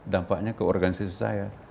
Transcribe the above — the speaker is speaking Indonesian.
dampaknya ke organisasi saya